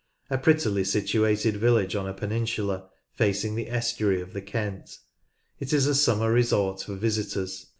A prettily situated village on a peninsula, facing the estuary of the Kent. It is a summer resort for visitors.